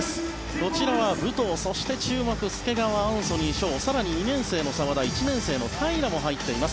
こちらは武藤そして注目、介川アンソニー翔更に２年生の澤田１年生の平良も入っています。